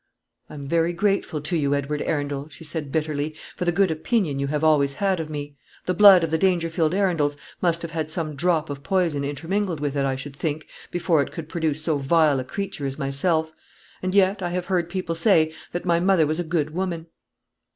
"I am very grateful to you, Edward Arundel," she said, bitterly, "for the good opinion you have always had of me. The blood of the Dangerfield Arundels must have had some drop of poison intermingled with it, I should think, before it could produce so vile a creature as myself; and yet I have heard people say that my mother was a good woman."